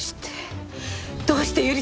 どうして？